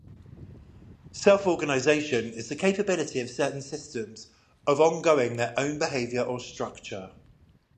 Self-organization is the capability of certain systems "of organizing their own behavior or structure".